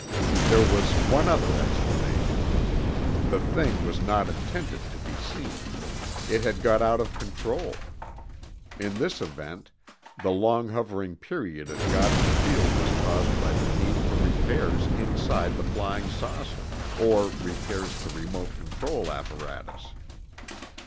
There was one other explanation: The thing was not intended to be seen; it had got out of control. In this event; the long hovering period at Godman Field was caused by the need for repairs inside the flying saucer, or repairs to remote control apparatus.